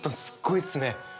すっごいっすね。